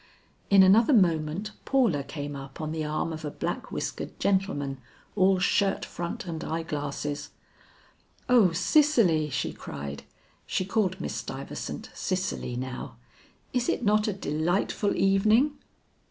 In another moment Paula came up on the arm of a black whiskered gentleman all shirt front and eye glasses. "O Cicely," she cried, (she called Miss Stuyvesant, Cicely now) "is it not a delightful evening?"